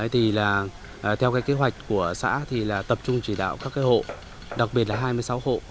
thì là theo cái kế hoạch của xã thì là tập trung chỉ đạo các cái hộ đặc biệt là hai mươi sáu hộ